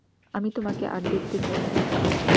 আমি তোমাকে আর দেখতে চাই না!